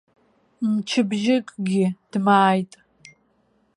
Мчыбжьыкгьы дмааит!